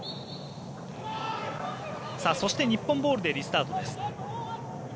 そして、日本ボールでリスタートです。